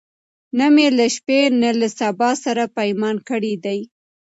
نه می له شپې نه له سبا سره پیمان کړی دی